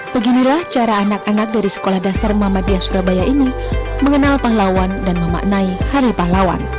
beginilah cara anak anak dari sekolah dasar muhammadiyah surabaya ini mengenal pahlawan dan memaknai hari pahlawan